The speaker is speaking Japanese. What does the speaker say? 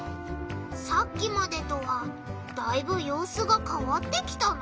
さっきまでとはだいぶようすがかわってきたな。